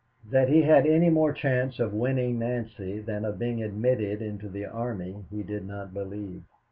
That he had any more chance of winning Nancy than of being admitted into the army, he did not believe.